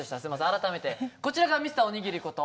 改めてこちらがＭｒ．おにぎりこと